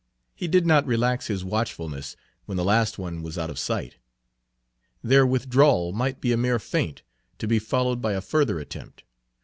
He did not relax his watchfulness when the last one was out of sight. Their withdrawal might be a mere feint, to be followed by a further attempt.